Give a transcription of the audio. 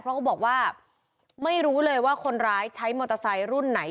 เพราะเขาบอกว่าไม่รู้เลยว่าคนร้ายใช้มอเตอร์ไซค์รุ่นไหน